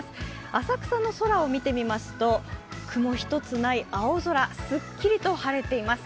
浅草の空を見てみますと雲一つない青空、スッキリと晴れています。